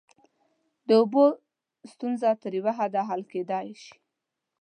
د اوبو ستونزه تر یوه حده حل کیدای شي.